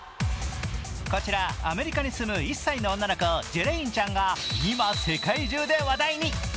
こちらアメリカに住む１歳の女の子ジェレインちゃんが今、世界中で話題に。